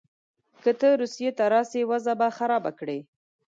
که ته روسیې ته راسې وضع به خرابه کړې.